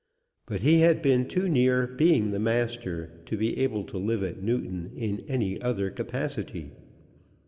But he had been too near being the master to be able to live at Newton in any other capacity.